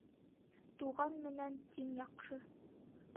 Туған менән тиң яҡшы